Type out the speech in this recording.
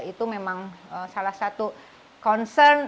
itu memang salah satu concern